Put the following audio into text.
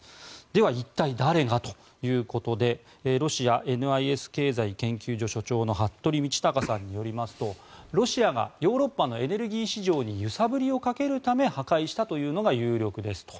では、一体誰がということでロシアＮＩＳ経済研究所所長の服部倫卓さんによりますとロシアがヨーロッパのエネルギー市場に揺さぶりをかけるため破壊したというのが有力ですと。